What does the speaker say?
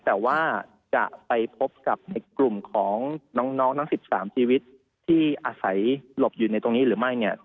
แต่ว่าจะไปพบกับในกลุ่มของน้องทั้ง๑๓ชีวิตที่อาศัยหลบอยู่ในตรงนี้หรือไม่เนี่ย